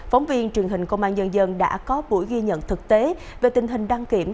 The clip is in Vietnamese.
phóng viên truyền hình công an nhân dân đã có buổi ghi nhận thực tế về tình hình đăng kiểm